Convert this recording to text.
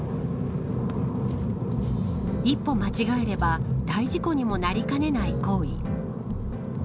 一歩間違えれば大事故にもなりかねない行為。